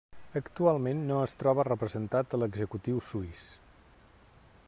Actualment no es troba representat a l'executiu suís.